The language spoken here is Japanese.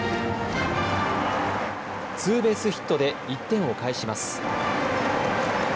ツーベースヒットで１点を返します。